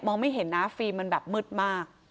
มองไม่เห็นนะทีมมันแบบมืดมาก